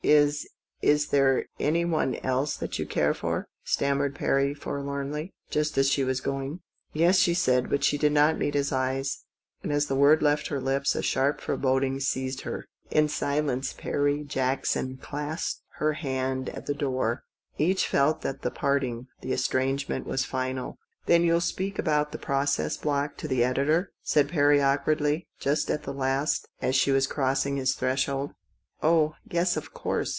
" Is — is — there anyone else that you care for ?" stammered Perry forlornly, just as she was going. 198 THE 8T0RT OF A MODERN WOMAN. " Yes," she said, but she did not meet his eyes, and as the word left her lips a sharp foreboding seized her. In silence Perry Jackson clasped her hand at the door. Each felt that the parting was more or less final. "Then you'll speak about that process block to the editor ?" said Perry awkwardly, just at the last, as she was crossing his threshold. " Oh, yes, of course.